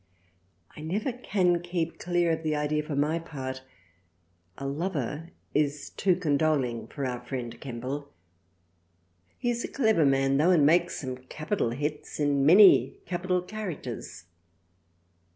I never can keep clear of the idea for my part A Lover is too condoling for our friend Kemble, he is a clever man tho' and makes some capital Hits, in many capital characters.